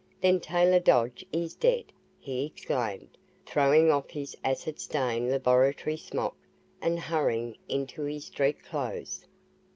"Then Taylor Dodge is dead!" he exclaimed, throwing off his acid stained laboratory smock and hurrying into his street clothes.